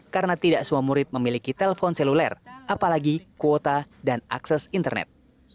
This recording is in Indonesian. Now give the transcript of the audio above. karena tidak semua murid memiliki telepon seluler apalagi kuota dan akses internet